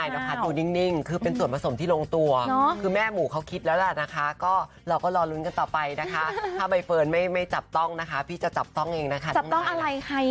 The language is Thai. มันคือมีแต่ความหวังดีความแบบหวังดีมาก